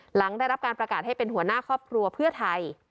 หลังได้รับการประกาศให้เป็นหัวหน้าครอบครัวเพื่อไทย